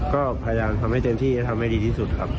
ก็พยายามทำให้เต็มที่และทำให้ดีที่สุดครับ